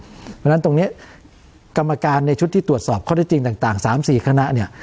เพราะฉะนั้นตรงนี้กรรมการในชุดที่ตรวจสอบข้อได้จริงต่าง๓๔คณะเนี่ย